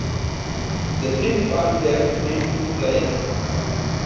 Estas dos calles recorren el barrio en toda su longitud, con dirección Este-Oeste.